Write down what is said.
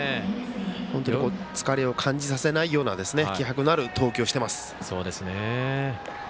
本当に疲れを感じさせないような気迫のある投球をしています。